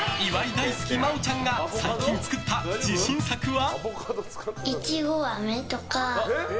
大好き、真央ちゃんが最近作った自信作は？